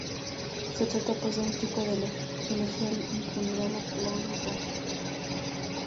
Se trata, pues, de un tipo de elegía funeral o planto.